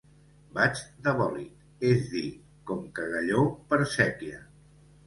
Vaig de bòlit, és dir, com cagalló per sèquia.